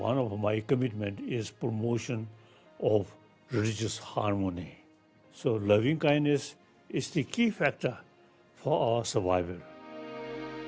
salah satu komitmen saya adalah promosi keharmoni religius jadi kebaikan hati kerap adalah faktor utama untuk penyelamat kita